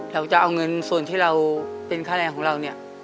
เราจะเอาเงินส่วนที่เราเป็นค่าแรงของเราเนี่ย